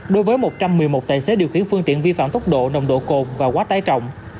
đối với một trăm một mươi một tài xế điều khiển phương tiện vi phạm tốc độ nồng độ cồn và quá tải trọng